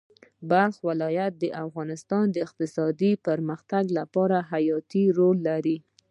بلخ ولایت د هېواد د اقتصادي پرمختګ لپاره حیاتي رول لري.